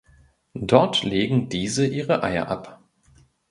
Dort legen diese ihre Eier ab.